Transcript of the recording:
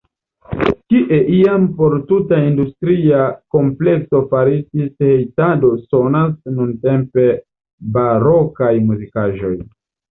Kie iam por tuta industria komplekso faritis hejtado sonas nuntempe barokaj muzikaĵoj.